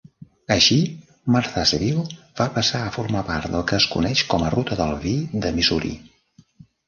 Així, Marthasville va passar a formar part del que es coneix com a "ruta del vi" de Missouri.